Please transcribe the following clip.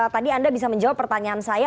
tadi anda bisa menjawab pertanyaan saya